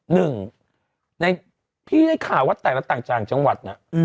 หนึ่งพี่ได้ข่าวว่าใต่แล้วต่างจางจังหวัด